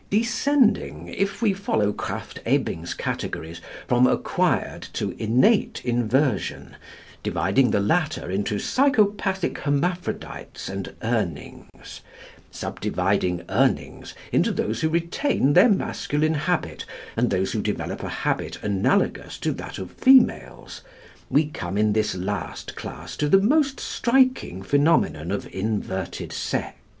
Descending, if we follow Krafft Ebing's categories, from acquired to innate inversion, dividing the latter into psychopathic hermaphrodites and Urnings, subdividing Urnings into those who retain their masculine habit and those who develop a habit analogous to that of females, we come in this last class to the most striking phenomenon of inverted sex.